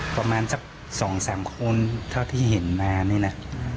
ประมาณสัก๒๓คนเท่าที่เห็นมานี่นะ